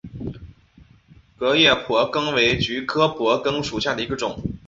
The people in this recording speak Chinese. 革叶蒲儿根为菊科蒲儿根属下的一个种。